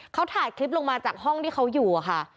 เขาถ่ายคลิปลงมาจากห้องที่เขาอยู่อะค่ะ